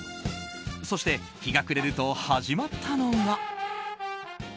そして、日が暮れると始まったのが。